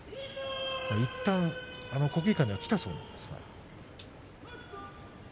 いったん国技館には来たそうです。